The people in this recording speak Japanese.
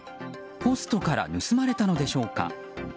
ポストから盗まれたのでしょうか。